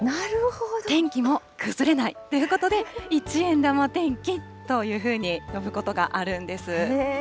天気も崩れないということで、一円玉天気というふうに呼ぶことがあるんです。